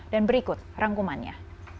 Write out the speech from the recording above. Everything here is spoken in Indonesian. dan berikut rangkumannya